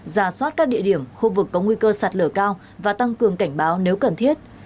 giả soát các địa điểm khu vực có nguy cơ sạt lửa cao và tăng cường cảnh báo nếu cần thiết